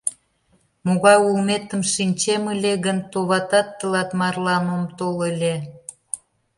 Могай улметым шинчем ыле гын, товатат, тылат марлан ом тол ыле.